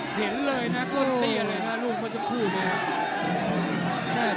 เห็นเลยนะก้นเตียนเลยนะรูปสักครู่มั้ยครับ